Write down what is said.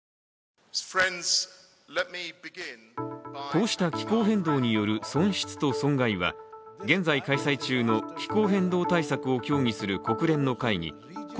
こうした気候変動による損失と損害は現在、開催中の気候変動対策を協議する国連の会議